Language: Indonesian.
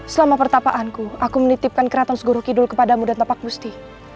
selama pertapaanku aku menitipkan keraton seguro kidul kepadamu dan tepak busti